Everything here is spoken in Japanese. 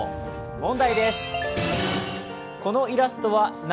問題です。